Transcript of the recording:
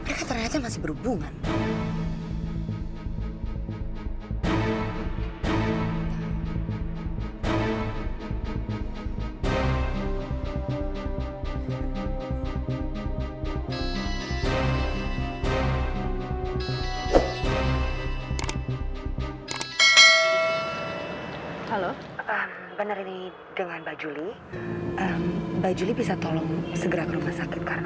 aku bersedia menghabiskan sisa hidup aku bersama kamu